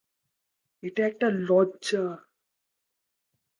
এটা একটা লজ্জা।